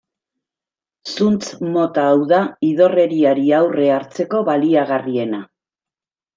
Zuntz mota hau da idorreriari aurre hartzeko baliagarriena.